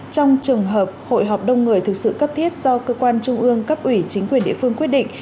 trong trường hợp hội họp đông người thực sự cấp thiết do cơ quan trung ương cấp ủy chính quyền địa phương quyết định